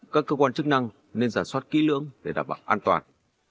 các cơ quan chức năng nên giả soát kỹ lưỡng để đảm bảo an toàn